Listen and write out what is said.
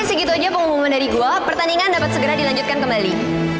segitu aja pengumuman dari gua pertandingan dapat segera dilanjutkan kembali